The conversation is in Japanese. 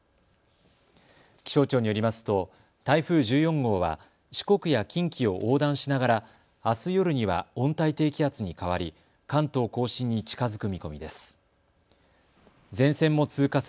気象庁によりますと台風１４号は四国や近畿を横断しながらあす夜には温帯低気圧に変わり、関東甲信に近づく見込みです。